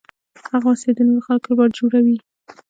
دغه وسلې د نورو خلکو لپاره جوړوي.